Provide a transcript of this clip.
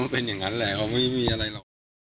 เป็นอย่างนั้นแหละเขาไม่มีอะไรหรอก